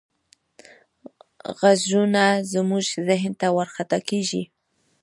غږونه زموږ ذهن ته ورخطا کېږي.